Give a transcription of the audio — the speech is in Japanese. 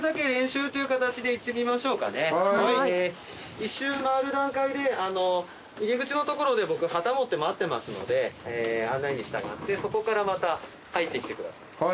１周回る段階で入り口の所で僕旗持って待ってますので案内に従ってそこからまた入ってきてください。